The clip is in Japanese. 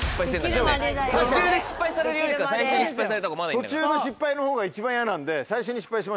途中の失敗のほうが一番嫌なんで最初に失敗しましょう。